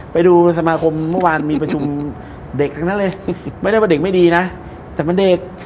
ไปดูสมาคมเมื่อวานมีประชุมเด็กทั้งนั้นเลยไม่ได้ว่าเด็กไม่ดีนะแต่มันเด็ก